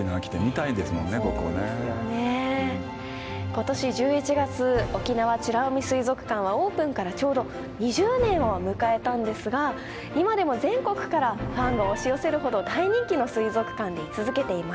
今年１１月沖縄美ら海水族館はオープンからちょうど２０年を迎えたんですが今でも全国からファンが押し寄せるほど大人気の水族館でい続けています。